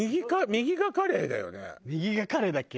右がカレイだっけ？